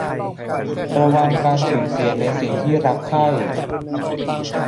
ระวังการสูญเสียในสิ่งที่รักใคร่